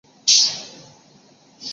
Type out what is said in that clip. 在长条形的猪圈中关着大小两头猪。